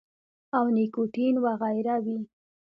او نيکوټین وغېره وي -